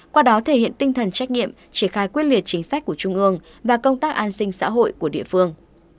qua đó thể hiện tinh thần trách nhiệm triển khai quyết liệt chính sách của trung ương và công tác an sinh xã hội của địa phương